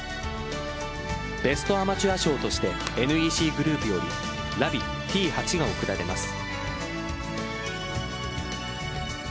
ベストアマチュア賞としてＮＥＣグループよりＬＡＶＩＥＴ８が贈られます。